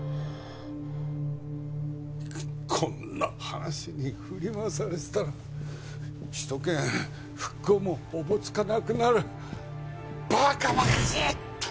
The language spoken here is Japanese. こんな話に振り回されてたら首都圏復興もおぼつかなくなるばかばかしい